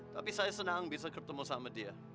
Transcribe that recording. tapi saya senang bisa ketemu sama dia